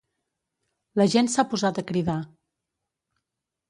La gent s'ha posat a cridar.